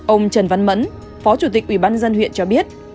ông trần văn mẫn phó chủ tịch ubnd huyện cho biết